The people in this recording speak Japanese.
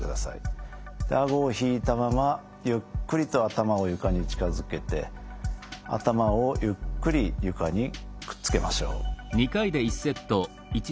顎を引いたままゆっくりと頭を床に近づけて頭をゆっくり床にくっつけましょう。